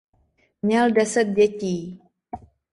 Měl deset dětí.